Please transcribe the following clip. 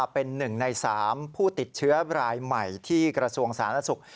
เป็นหนึ่งใน๓ผู้ติดเชื้อรายใหม่ที่กระทรวงศาลนักศึกษ์